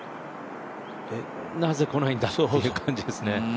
なぜ来ないんだっていう感じですね。